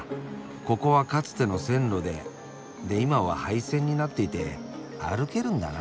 ここはかつての線路でで今は廃線になっていて歩けるんだな。